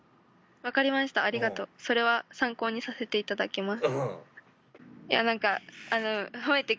分かりました、ありがとう、それは参考にさせていただきます。